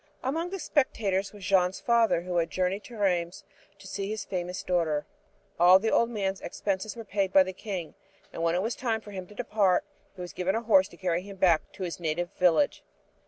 Among the spectators was Jeanne's father who had journeyed to Rheims to see his famous daughter. All the old man's expenses were paid by the King, and when it was time for him to depart he was given a horse to carry him back to his native village.